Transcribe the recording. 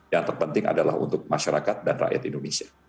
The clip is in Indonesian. yang terpenting adalah untuk masyarakat dan rakyat indonesia